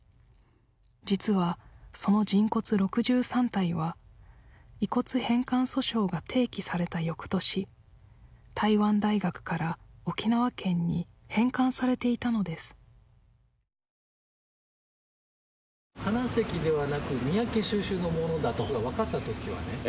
実はその人骨６３体は遺骨返還訴訟が提起された翌年台湾大学から沖縄県に返還されていたのです金関ではなく三宅収集のものだと分かったときはね